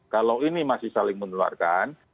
kalau ini masih saling menularkan